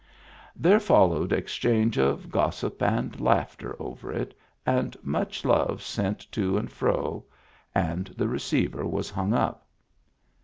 There fol lowed exchange of gossip and laughter over it, and much love sent to and fro — and the receiver was hung up.